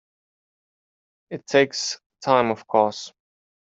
It takes time of course.